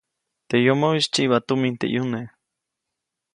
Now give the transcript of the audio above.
Teʼ yomoʼis tsyiba tumin teʼ ʼyune.